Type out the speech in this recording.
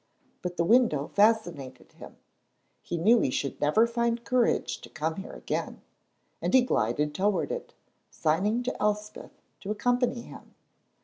But the window fascinated him; he knew he should never find courage to come here again, and he glided toward it, signing to Elspeth to accompany him.